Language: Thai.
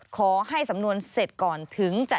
ขอให้สำนวนเสร็จก่อนถึงจะ